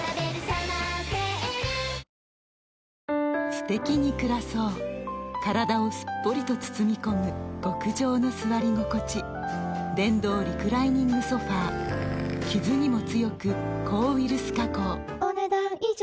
すてきに暮らそう体をすっぽりと包み込む極上の座り心地電動リクライニングソファ傷にも強く抗ウイルス加工お、ねだん以上。